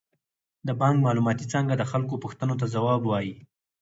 د بانک معلوماتي څانګه د خلکو پوښتنو ته ځواب وايي.